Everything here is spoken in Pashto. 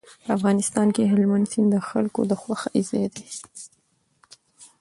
په افغانستان کې هلمند سیند د خلکو د خوښې ځای دی.